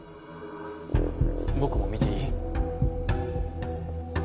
僕も見ていい？